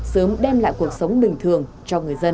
sớm đem lại cuộc sống bình thường cho người dân